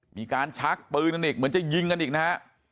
มีการชักปืนกันอีกเหมือนจะยิงกันอีกนะฮะ